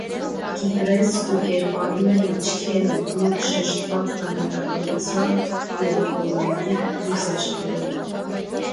Կիպրենսկու կերպարներն աչքի են ընկնում շեշտված անհատականությամբ և ռոմանտիկ հուզաշխարհով։